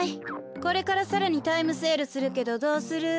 これからさらにタイムセールするけどどうする？